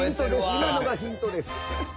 いまのがヒントです。